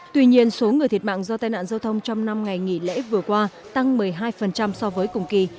tuy nhiên số người thiệt mạng do tai nạn giao thông trong năm ngày nghỉ lễ vừa qua tăng một mươi hai so với cùng kỳ